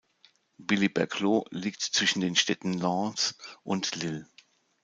Billy-Berclau liegt zwischen den Städten Lens und Lille.